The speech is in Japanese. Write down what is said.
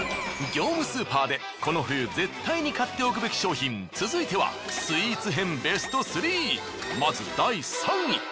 業務スーパーでこの冬絶対に買っておくべき商品続いてはスイーツ編ベスト３まず第３位。